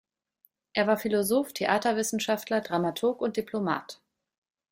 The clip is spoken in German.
Er war Philosoph, Theaterwissenschaftler, Dramaturg und Diplomat.